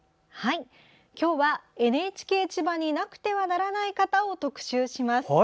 今日は、ＮＨＫ千葉になくてはならない方を特集します。